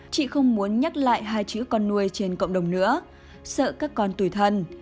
chị không muốn nhắc lại hai chữ con nuôi trên cộng đồng nữa sợ các con tuổi thân